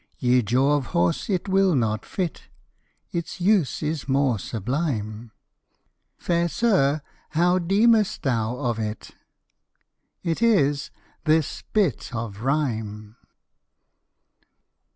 Y{e} jawe of horse yt wyll not fytte; Yts use ys more sublyme. Fayre Syr, how deemest thou of yt? Yt ys thys bytte of rhyme.